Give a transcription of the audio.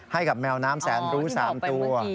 ให้กับแมวน้ำแสนรู้๓ตัว